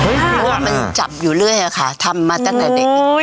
เพราะว่ามันจับอยู่เรื่อยค่ะทำมาตั้งแต่เด็ก